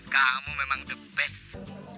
kamu memang the best